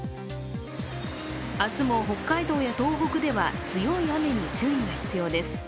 明日も北海道や東北では強い雨に注意が必要です。